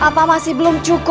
apa masih belum cukup